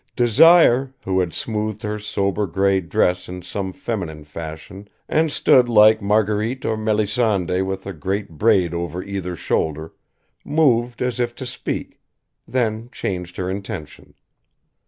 Desire, who had smoothed her sober gray dress in some feminine fashion and stood like Marguerite or Melisande with a great braid over either shoulder, moved as if to speak, then changed her intention.